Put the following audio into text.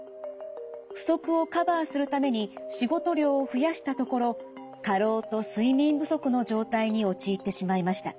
不足をカバーするために仕事量を増やしたところ過労と睡眠不足の状態に陥ってしまいました。